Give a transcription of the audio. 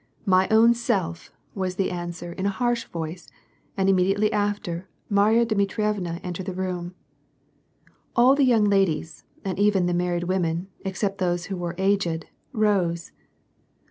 " My own self," was the answer in a harsh voice, and imme diately after, Marya Dmitrievna entered the room. All the young ladies and even the married women, except those who were aged, rose.